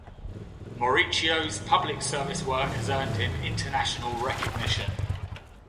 Mauricio's public service work has earned him international recognition.